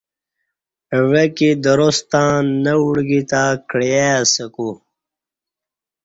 عوہ کی دراس تں نہ اڑگی تں کعیے اسہ کو